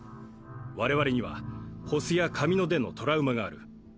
我々には保須や神野でのトラウマがある。